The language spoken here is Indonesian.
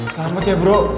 selamat ya bro